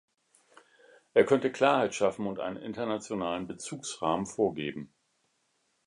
Er könnte Klarheit schaffen und einen internationalen Bezugsrahmen vorgeben.